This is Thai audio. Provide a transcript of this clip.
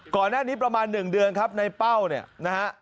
ก่อนหน้านี้ประมาณ๑เดือนครับในเป้าเนี่ยนะฮะ